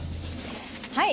はい！